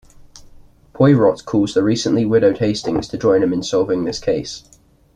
Poirot calls the recently widowed Hastings to join him in solving this case.